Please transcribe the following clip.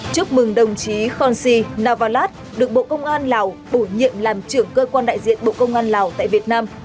chúc mừng đồng chí khonsi navalat được bộ công an lào bổ nhiệm làm trưởng cơ quan đại diện bộ công an lào tại việt nam